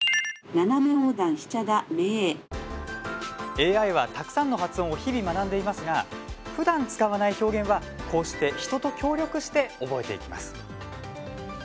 ＡＩは、たくさんの発音を日々、学んでいますがふだん使わない表現はこうして人と協力して覚えていきます。